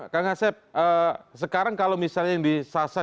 kang asep sekarang kalau misalnya yang disasar